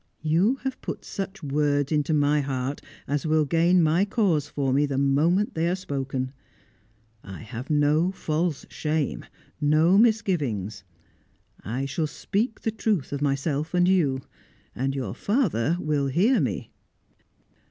You have put such words into my heart as will gain my cause for me the moment they are spoken. I have no false shame no misgivings. I shall speak the truth of myself and you, and your father will hear me."